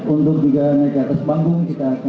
untuk tiga mereka atas panggung